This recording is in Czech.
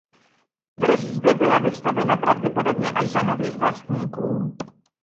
Tvrz zde byla vystavěna pravděpodobně až za nových vlastníků.